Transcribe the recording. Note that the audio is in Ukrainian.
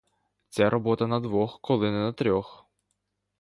Ця робота на двох, коли не на трьох.